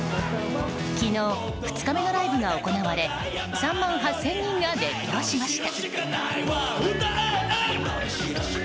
昨日、２日目のライブが行われ３万８０００人が熱狂しました。